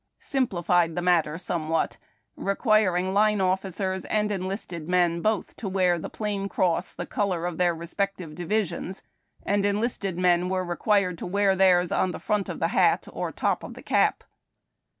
265 simplified the matter somewhat, requiring line officers and enlisted men both to wear the plain cross the color of their respective divisions, and enlisted men were required to wear theirs on the front of the hat or top of the cap.